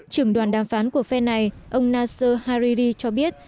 trưởng đoàn đàm phán của phe này ông nasser hariri cho biết